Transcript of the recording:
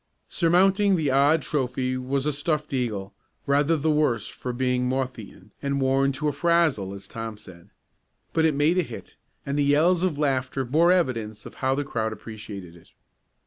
Surmounting the odd trophy was a stuffed eagle, rather the worse for being moth eaten, and worn "to a frazzle," as Tom said. But it made a hit, and the yells of laughter bore evidence of how the crowd appreciated it.